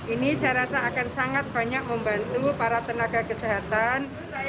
ini saya rasa akan sangat banyak membantu para tenaga kesehatan